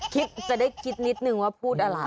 จะได้คิดนิดนึงว่าพูดอะไร